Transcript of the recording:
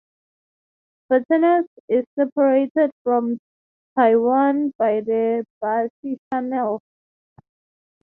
Batanes is separated from Taiwan by the Bashi Channel.